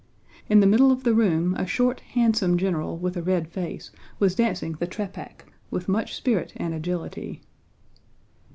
In the middle of the room a short handsome general with a red face was dancing the trepák with much spirit and agility.